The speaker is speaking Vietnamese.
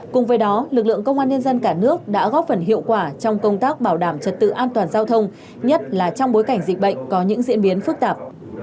cùng với đó lực lượng công an nhân dân cả nước đã góp phần hiệu quả trong công tác bảo đảm trật tự an toàn giao thông nhất là trong bối cảnh dịch bệnh có những diễn biến phức tạp